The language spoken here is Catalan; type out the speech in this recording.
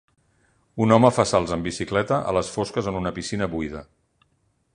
Un home fa salts en bicicleta a les fosques en una piscina buida.